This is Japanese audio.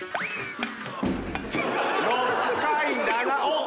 ６回７おっ！